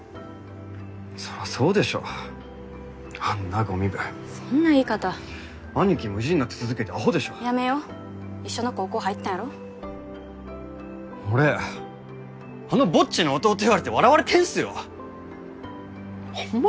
そらそうでしょあんなゴミ部そんな言い方兄貴も意地になって続けてアホでしょやめよ一緒の高校入ったんやろ俺あのぼっちの弟言われて笑われてんすよホンマ